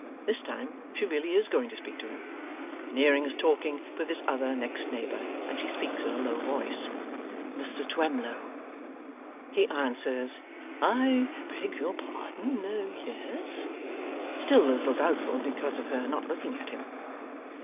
This time she really is going to speak to him. Veneering is talking with his other next neighbour, and she speaks in a low voice. 'Mr Twemlow.' He answers, 'I beg your pardon? Yes?' Still a little doubtful, because of her not looking at him.